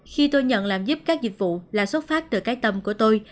khi tôi nhận làm giúp các dịch vụ là xuất phát từ cái tâm của tôi